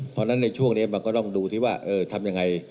เพราะฉะนั้นในช่วงนี้มันก็ต้องดูที่ว่าทำยังไง